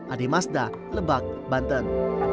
adi masda lebak banten